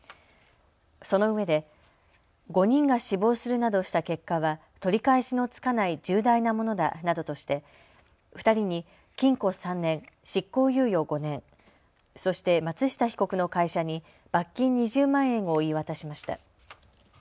そのうえで５人が死亡するなどした結果は取り返しのつかない重大なものだなどとして２人に禁錮３年、執行猶予５年、そして松下被告の会社に罰金２０万円を言い渡しました。